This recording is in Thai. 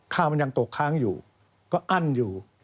ข้าวมันยังตกค้างอยู่ก็อั้นอยู่